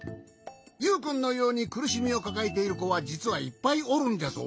ユウくんのようにくるしみをかかえているこはじつはいっぱいおるんじゃぞ。